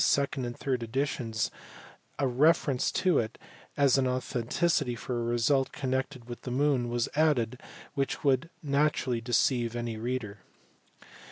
second and third editions a reference to it as an authority for a result connected with the moon was added which would naturally deceive any reader.